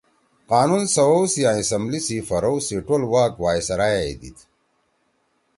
قانون سوَؤ سی آں اسمبلی سی پھرَؤ سی ٹول واگ وائسرائے ئے دیِد